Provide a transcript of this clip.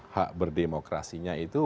hak berdemokrasinya itu